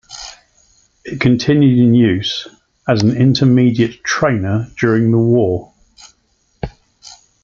It continued in use as an intermediate trainer during the war.